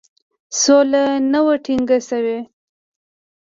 سوله نه وه ټینګه شوې.